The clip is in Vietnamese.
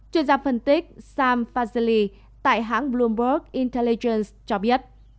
chuyên gia phân tích sam fazeli tại hãng bloomberg intelligence cho biết